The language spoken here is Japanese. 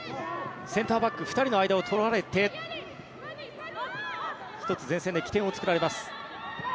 センターバック２人の間を取られて１つ前線で起点を作られます。